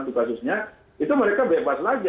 satu kasusnya itu mereka bebas lagi